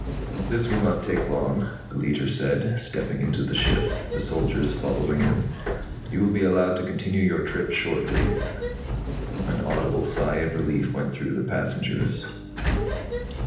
"This will not take long," the Leiter said, stepping into the ship, the soldiers following him. "You will be allowed to continue your trip shortly." An audible sigh of relief went through the passengers.